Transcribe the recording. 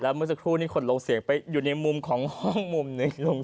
เมื่อสักครู่นี้คนลงเสียงไปอยู่ในมุมของห้องมุมหนึ่ง